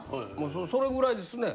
それぐらいですね。